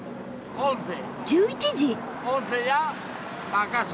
１１時！